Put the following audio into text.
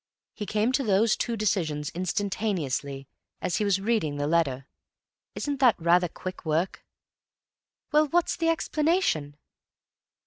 He came to those two decisions instantaneously, as he was reading the letter. Isn't that rather quick work?" "Well, what's the explanation?"